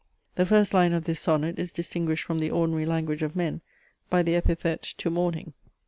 The first line of this sonnet is distinguished from the ordinary language of men by the epithet to morning.